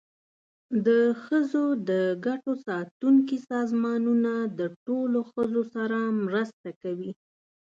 د ښځو د ګټو ساتونکي سازمانونه د ټولو ښځو سره مرسته کوي.